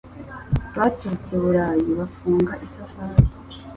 Baturutse i Bulayi bafunga isafari